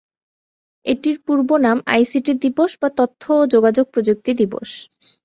এটির পূর্ব নাম আইসিটি দিবস বা তথ্য ও যোগাযোগ প্রযুক্তি দিবস।